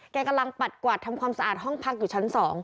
กำลังปัดกวาดทำความสะอาดห้องพักอยู่ชั้น๒